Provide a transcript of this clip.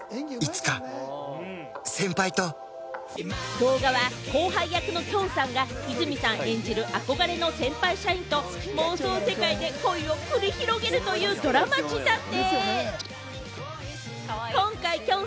動画は後輩役のきょんさんが泉さん演じる憧れの先輩社員と妄想世界で恋を繰り広げるというドラマ仕立て。